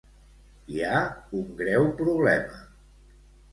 Hi ha un greu problema.